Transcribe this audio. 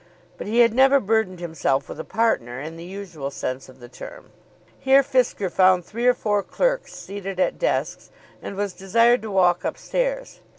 But he had never burthened himself with a partner in the usual sense of the term. Here Fisker found three or four clerks seated at desks, and was desired to walk up stairs.